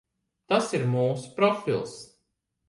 Tas ir mūsu profils.